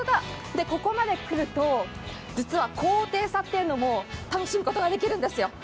ここまでくると実は高低差っていうのも楽しむことができるんですよ。